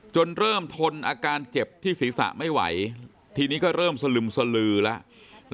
เริ่มทนอาการเจ็บที่ศีรษะไม่ไหวทีนี้ก็เริ่มสลึมสลือแล้ว